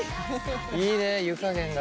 いいね湯加減が。